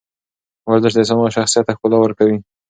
ورزش د انسان شخصیت ته ښکلا ورکوي.